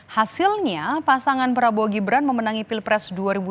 hasilnya pasangan prabowo gibran memenangi pilpres dua ribu dua puluh